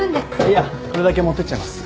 いやこれだけ持ってっちゃいます。